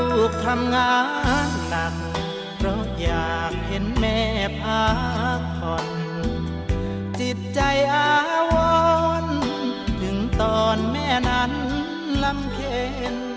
ลูกทำงานต่ำเพราะอยากเห็นแม่พักผ่อนจิตใจอาวรถึงตอนแม่นั้นลำเคน